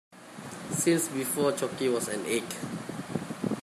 Since before cocky was an egg.